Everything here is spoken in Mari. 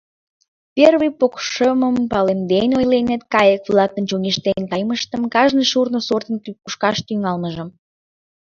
Первый покшымым палемден ойленыт, кайык-влакын чоҥештен кайымыштым, кажне шурно сортын кушкаш тӱҥалмыжым.